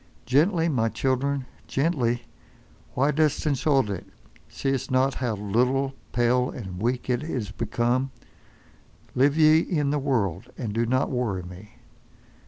Gently, my children, gently! Why dost insult it—see'st not how little, pale and weak it is become? Live ye in the world—and do not worry me.